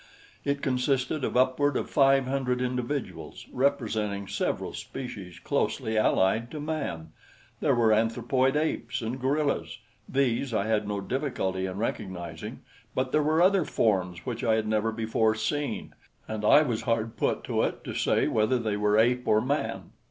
It consisted of upward of five hundred individuals representing several species closely allied to man. There were anthropoid apes and gorillas these I had no difficulty in recognizing; but there were other forms which I had never before seen, and I was hard put to it to say whether they were ape or man.